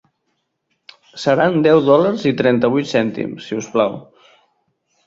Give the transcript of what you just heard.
Seran deu dòlars i trenta-vuit cèntims, si us plau.